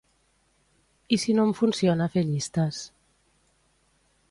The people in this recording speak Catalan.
I si no em funciona fer llistes?